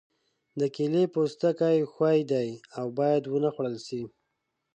د کیلې پوستکی ښوی دی او باید ونه خوړل شي.